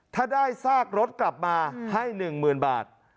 ถ้าได้ซากรถกลับมาให้๑๐๐๐บาท